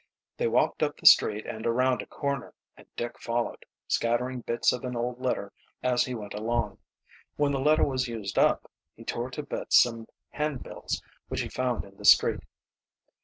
They walked up the street and around a corner, and Dick followed, scattering bits of an old letter as he went along. When the letter was used up, he tore to bits some handbills which he found in the street.